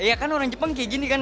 iya kan orang jepang kayak gini kan